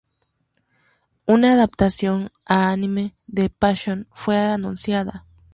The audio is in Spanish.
Una adaptación a anime de Passione fue anunciada.